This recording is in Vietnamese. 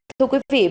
thưa quý vị